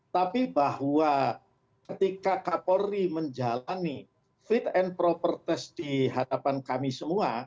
tapi bahwa ketika kapolri menjalani fit and proper test di hadapan kami semua